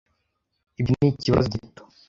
Ibyo nikibazo gito.